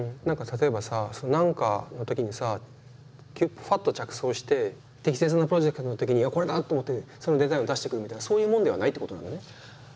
例えばさ何かのときにさふわっと着想して適切なプロジェクトのときにこれだ！と思ってそのデザインを出してくるみたいなそういうもんではないってことなんだね。